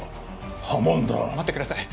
破門だ待ってください